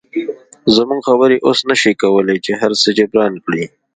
زموږ خبرې اوس نشي کولی چې هرڅه جبران کړي